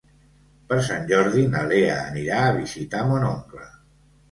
Per Sant Jordi na Lea anirà a visitar mon oncle.